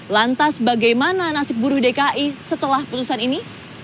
lantas bagaimana nasib buruh dki setelah putusan ini